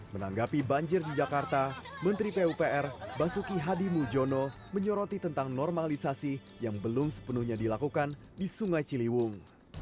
menanggapi banjir di jakarta menteri pupr basuki hadi mujono menyoroti tentang normalisasi yang belum sepenuhnya dilakukan di sungai ciliwung